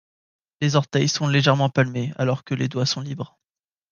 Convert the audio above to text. Les orteils sont légèrement palmés alors que les doigts sont libres.